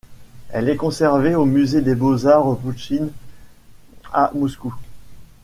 Elle est conservée au musée des beaux-arts Pouchkine, à Moscou.